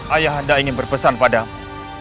ayah anda ingin berpesan padamu